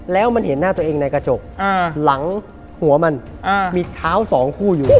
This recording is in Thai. แล้วมันเห็นหน้าตัวเองในกระจกหลังหัวมันมีเท้าสองคู่อยู่